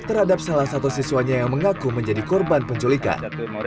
terhadap salah satu siswanya yang mengaku menjadi korban penculikan